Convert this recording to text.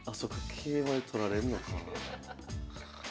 桂馬で取られんのか。